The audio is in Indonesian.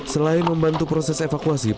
selain membantu proses evakuasi